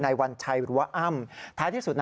นายวัญชัยรัวอ้ำท้ายที่สุด